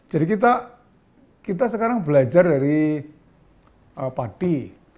jadi kita sekarang belajar dari padi